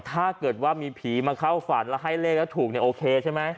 ถ้าเกิดว่ามีผีมาเข้าฝันแล้วให้เลขแล้วถูกเนี่ยโอเคใช่ไหม